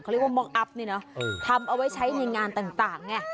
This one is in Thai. เขาเรียกว่ามองค์อัพทำเอาไว้ใช้ในงานต่าง